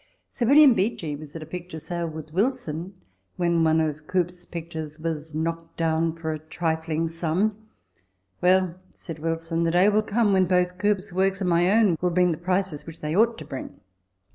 Sir William Beechy was at a picture sale with Wilson when one of Cuyp's pieces was knocked down for a trifling sum. "Well," said Wilson, "the day will come when both Cuyp's works and my own will bring the prices which they ought to bring."